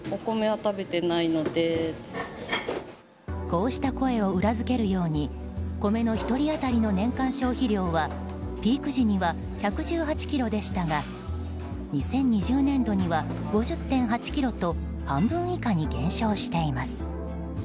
こうした声を裏付けるように米の１人当たりの年間消費量はピーク時には１１８ｋｇでしたが２０２０年度には５０．８ｋｇと半分以下に減少しています。